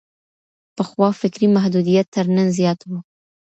پخوا فکري محدوديت تر نن زيات وو.